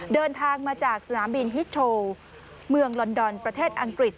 เดินทางมาจากสนามบินฮิตโชว์เมืองลอนดอนประเทศอังกฤษ